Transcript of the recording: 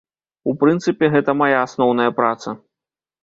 У прынцыпе, гэта мая асноўная праца.